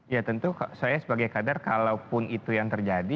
ya tentu saya sebagai kader kalaupun itu yang terjadi